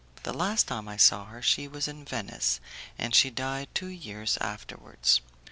The last time I saw her she was in Venice, and she died two years afterwards.